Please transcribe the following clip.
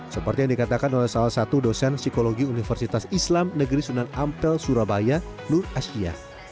seperti yang dikatakan oleh salah satu dosen psikologi universitas islam negeri sunan ampel surabaya nur ashiyah